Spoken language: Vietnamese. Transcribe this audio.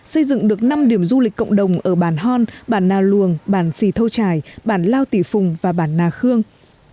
xây dựng được năm điểm du lịch cộng đồng ở bản hon bản na luồng bản sì thâu trải bản lao tỉ phùng và bản na khương